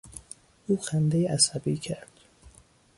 او خندهی عصبی کرد.